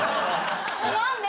何で。